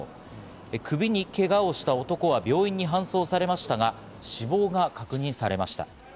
首にけがをした男は病院に搬送されましたが、死亡が確認されました。